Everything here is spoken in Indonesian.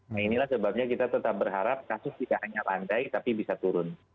nah inilah sebabnya kita tetap berharap kasus tidak hanya landai tapi bisa turun